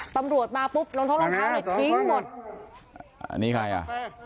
ตำรวจมาปุ๊บรองท้องรองเท้าเนี่ยทิ้งหมดอันนี้ใครอ่ะ